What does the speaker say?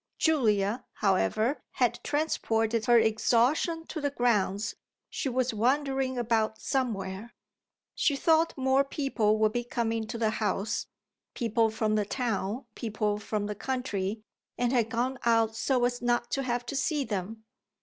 Julia, however, had transported her exhaustion to the grounds she was wandering about somewhere. She thought more people would be coming to the house, people from the town, people from the country, and had gone out so as not to have to see them.